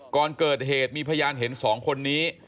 ก่อนเกิดเหตุมีพยานเห็น๒คนนี้